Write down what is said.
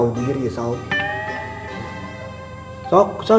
kenapa kamu diam saja sob